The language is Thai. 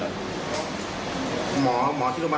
หมอที่โรงพยาบาลพระราม๒บอกว่าโดนน้ำร้อนลวกมา